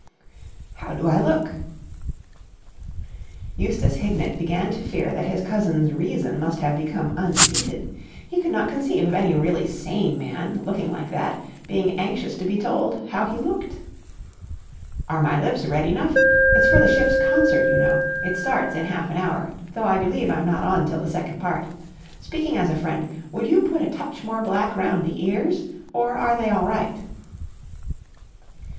"How do I look?" Eustace Hignett began to fear that his cousin's reason must have become unseated. He could not conceive of any really sane man, looking like that, being anxious to be told how he looked. "Are my lips red enough? It's for the ship's concert, you know. It starts in half an hour, though I believe I'm not on till the second part. Speaking as a friend, would you put a touch more black round the ears, or are they all right?"